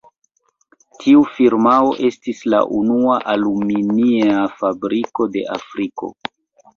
Tiu firmao estis la unua aluminia fabriko de Afriko.